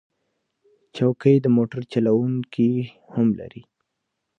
چوکۍ د موټر چلونکي هم لري.